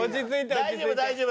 大丈夫大丈夫。